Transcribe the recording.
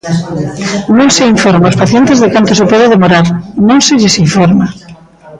Non se informa os pacientes de canto se pode demorar; non se lles informa.